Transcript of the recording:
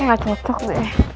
ini gak cocok deh